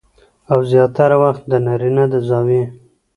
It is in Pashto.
او زياتره وخت د نارينه د زاويې